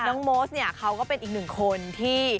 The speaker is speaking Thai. โมสเนี่ยเขาก็เป็นอีกหนึ่งคนที่